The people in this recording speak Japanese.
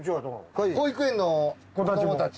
保育園の子どもたち。